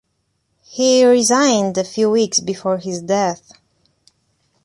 He resigned a few weeks before his death.